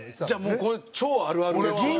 じゃあもうこれ超あるあるですよね。